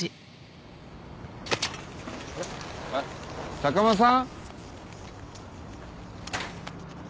坂間さん？